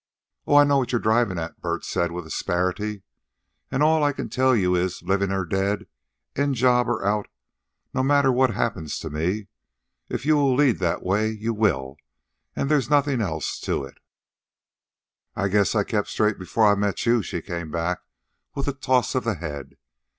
"Oh, I know what you're drivin' at," Bert said with asperity. "An' all I can tell you is, livin' or dead, in a job or out, no matter what happens to me, if you will lead that way, you will, an' there's nothin' else to it." "I guess I kept straight before I met you," she came back with a toss of the head.